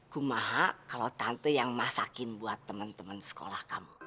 ku maha kalo tante yang masakin buat temen temen sekolah kamu